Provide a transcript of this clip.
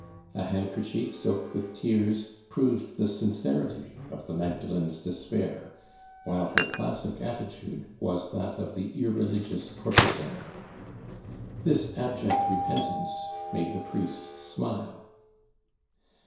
A handkerchief soaked with tears proved the sincerity of the Magdalen's despair, while her classic attitude was that of the irreligious courtesan. This abject repentance made the priest smile.